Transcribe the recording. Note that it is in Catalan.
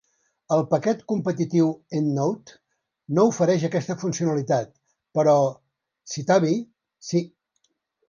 El paquet competitiu EndNote no ofereix aquesta funcionalitat, però Citavi sí.